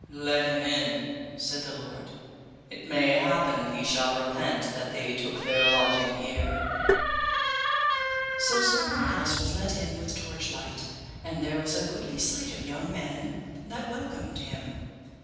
Let him in, said the lord, it may happen he shall repent that they took their lodging here. So Sir Marhaus was let in with torchlight, and there was a goodly sight of young men that welcomed him.